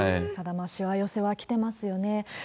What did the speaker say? ただ、しわ寄せはきてますよね。